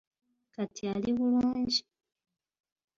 Kati ali bulungi.